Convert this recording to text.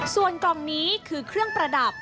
ส่วนกล่องนี้คือเครื่องประดับ